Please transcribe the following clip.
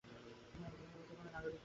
আর ভবনের ভেতরে কোন নাগরিক নেই।